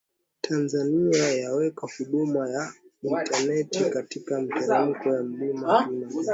Tanzania yaweka huduma ya intaneti katika miteremko ya Mlima Kilimanjaro